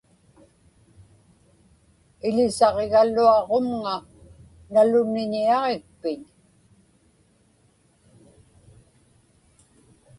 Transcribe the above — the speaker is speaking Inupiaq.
Iḷisaġigaluaġumŋa naluniñiaġikpiñ.